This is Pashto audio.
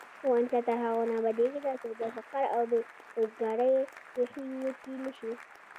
افغانستان تر هغو نه ابادیږي، ترڅو د فقر او بې روزګارۍ ریښې وچې نشي.